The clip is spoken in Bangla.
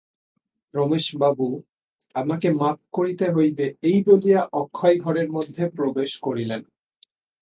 রমেশবাবু, আমাকে মাপ করিতে হইবে এই বলিয়া অক্ষয় ঘরের মধ্যে প্রবেশ করিল।